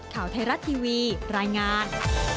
ข่าวไทยรัฐทีวีรายงาน